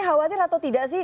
khawatir atau tidak sih